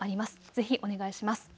ぜひお願いします。